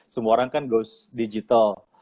semua orang kan gost digital